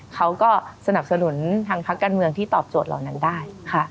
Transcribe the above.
เขาก็สนับสนุนทางพักการเมืองที่ตอบโจทย์เหล่านั้นได้ค่ะ